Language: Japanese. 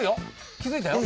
気付いたよ。